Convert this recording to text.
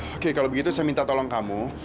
oke kalau begitu saya minta tolong kamu